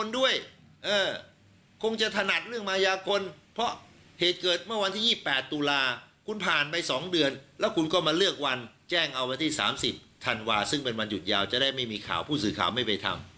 ดังนั้นถ้าภาษณาศีลบกลายดังกลัวจะได้ไม่มีการเป็นข่าวผู้ศึกขาวไม่ฝึกมีที่จาน